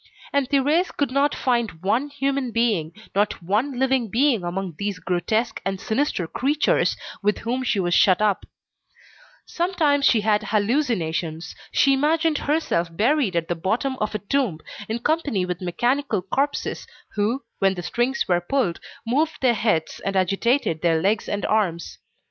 And Thérèse could not find one human being, not one living being among these grotesque and sinister creatures, with whom she was shut up; sometimes she had hallucinations, she imagined herself buried at the bottom of a tomb, in company with mechanical corpses, who, when the strings were pulled, moved their heads, and agitated their legs and arms.